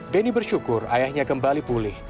beni bersyukur ayahnya kembali pulih